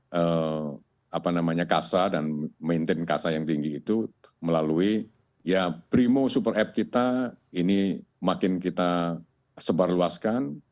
dan apa namanya kasa dan maintain kasa yang tinggi itu melalui ya brimo super app kita ini makin kita sebarluaskan